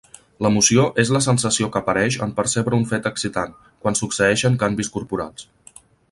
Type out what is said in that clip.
L'emoció és la sensació que apareix en percebre un fet excitant, quan succeeixen canvis corporals.